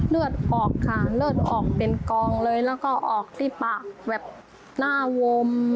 เลือดออกค่ะเลือดออกเป็นกองเลยแล้วก็ออกที่ปากแบบหน้าวม